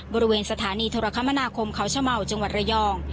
บริเวณสถานีโทรคมนาคมเขาชะเมาจังหวัดระยอง